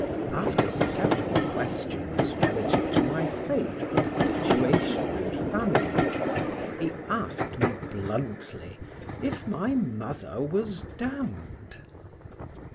After several questions relative to my faith, situation, and family, he asked me bluntly if my mother was damned?